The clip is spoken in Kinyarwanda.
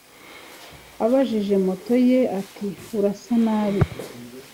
Abajije moto ye ati: "Arasa nabi"